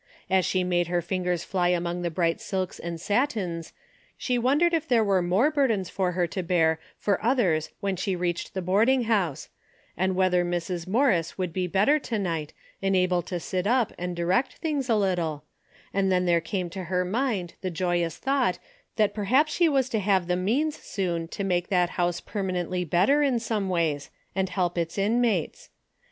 As she made her fingers fly among the bright silks and satins, 80 DAILY RATE: > she wondered if there were more burdens for her to bear for others Avhen she reached the boarding house, and whether Mrs. Morris would be better to night and able to sit up and direct things a little, and then there came to her mind the joyous thought that perhaps she was to have the means soon to make that house permanently better in some ways and help its inmates.